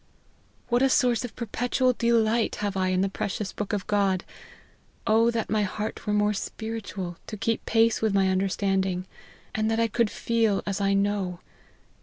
" What a source of perpetual delight have I in the precious book of God ! O that my heart were more spiritual, to keep pace with my understand ing ; and that I could feel as I know